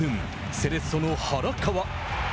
セレッソの原川。